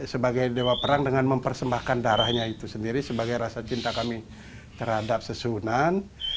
sebagai dewa perang dengan mempersembahkan darahnya itu sendiri sebagai rasa cinta kami terhadap susunan